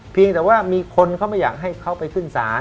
เพียงแต่ว่ามีคนเขาไม่อยากให้เขาไปขึ้นศาล